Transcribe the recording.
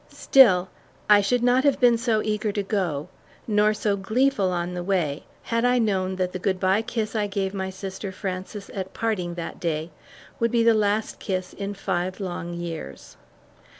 Still, I should not have been so eager to go, nor so gleeful on the way, had I known that the "good bye" kiss I gave my sister Frances at parting that day, would be the last kiss in five long years.